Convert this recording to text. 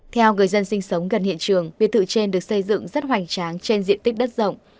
theo người dân sinh sống gần hiện trường biệt thự trên được xây dựng rất hoành tráng trên diện tích đất rộng